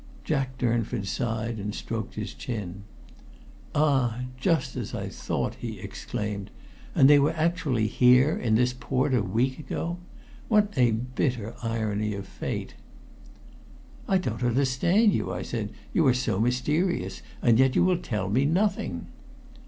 Jack Durnford sighed and stroked his chin. "Ah! Just as I thought," he exclaimed. "And they were actually here, in this port, a week ago! What a bitter irony of fate!" "I don't understand you," I said. "You are so mysterious, and yet you will tell me nothing!"